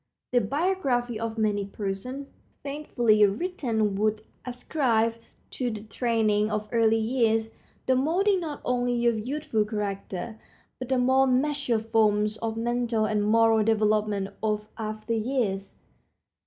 The biography of many persons, faithfully written, would ascribe to the training of early years the molding not only of youthful character, but the more matured forms of mental and moral development of after years.